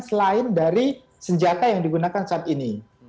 selain dari senjata yang digunakan saat ini